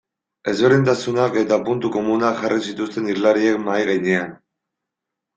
Ezberdintasunak eta puntu komunak jarri zituzten hizlariek mahai gainean.